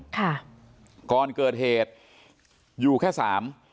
ค่ะก่อนเกิดเหตุอยู่แค่สาม